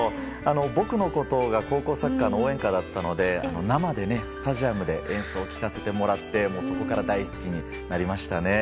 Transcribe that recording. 「僕のこと」が高校サッカーの応援歌だったので生でスタジアムで演奏を聴かせてもらってそこから大好きになりましたね。